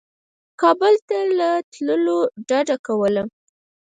کابل ته له تللو ډده کوله.